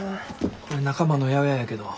これ仲間の八百屋やけど。